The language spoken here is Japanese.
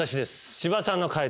千葉さんの解答